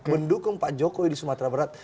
mendukung pak jokowi di sumatera barat